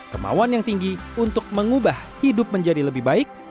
kemauan yang tinggi untuk mengubah hidup menjadi lebih baik